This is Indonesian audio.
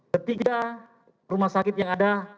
ketiga rumah sakit yang ada